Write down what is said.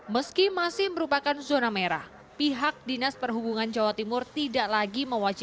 meski masih merupakan zona merah pihak dinas perhubungan jawa timur tidak lagi mewajibkan